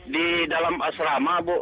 di dalam asrama bu